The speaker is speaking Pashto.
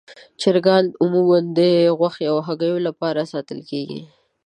چرګان عموماً د غوښې او هګیو لپاره ساتل کېږي.